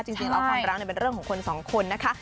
จริงแล้วความรักเป็นเรื่องของคนสองคนนะคะ